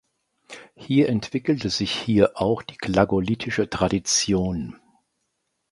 Hier entwickelte sich hier auch die glagolitische Tradition.